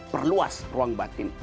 perluas ruang batin